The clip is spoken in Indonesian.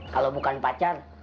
kalau bukan pacar